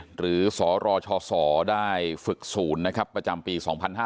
หรือสรชศได้ฝึกศูนย์ประจำปี๒๕๕๙